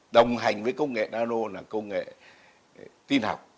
đồng hành với công nghệ nano là công nghệ tin học